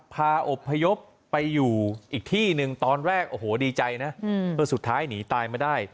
อบพยพไปอยู่อีกที่หนึ่งตอนแรกโอ้โหดีใจนะสุดท้ายหนีตายมาได้